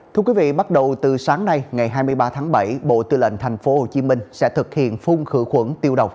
thưa quý vị bắt đầu từ sáng nay ngày hai mươi ba tháng bảy bộ tư lệnh thành phố hồ chí minh sẽ thực hiện phun khử khuẩn tiêu độc